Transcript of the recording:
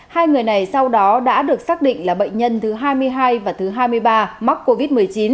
hai người này sau đó đã được xác định là bệnh nhân thứ hai mươi hai và thứ hai mươi ba mắc covid một mươi chín